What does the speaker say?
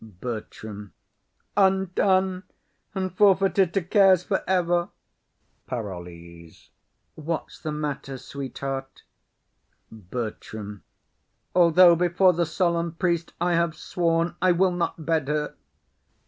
BERTRAM. Undone, and forfeited to cares for ever! PAROLLES. What's the matter, sweetheart? BERTRAM. Although before the solemn priest I have sworn, I will not bed her.